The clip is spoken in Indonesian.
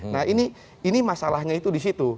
nah ini masalahnya itu disitu